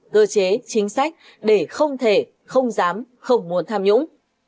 cơ chế chính sách để không thể không dám không muốn tham nhũng